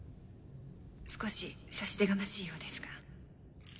少し差し出がましいようですが。